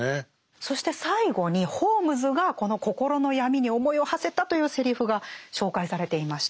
そして最後にホームズがこの心の闇に思いをはせたというセリフが紹介されていました。